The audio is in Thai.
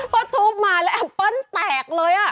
พอทุบมาแล้วแอปเปิ้ลแตกเลย